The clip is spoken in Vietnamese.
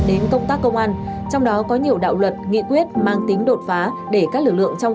đến công tác công an trong đó có nhiều đạo luật nghị quyết mang tính đột phá để các lực lượng trong